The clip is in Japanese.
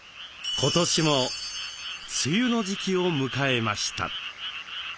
今年も梅雨の時期を迎えました。